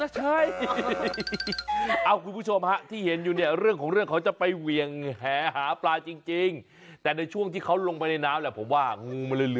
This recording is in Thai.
น่าใช่เอ้าคุณผู้ชมที่เห็นอยู่เนี่ยเรื่องของเรื่องเขาจะไปเวียงแหหาปลาจริง